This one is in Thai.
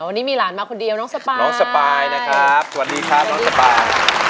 วันนี้มีหลานมาคนเดียวน้องสปายน้องสปายนะครับสวัสดีครับน้องสปาย